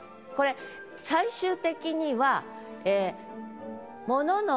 これ最終的には。